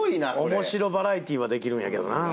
「面白バラエティー」はできるんやけどなこれ。